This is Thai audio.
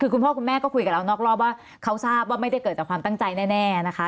คือคุณพ่อคุณแม่ก็คุยกับเรานอกรอบว่าเขาทราบว่าไม่ได้เกิดจากความตั้งใจแน่นะคะ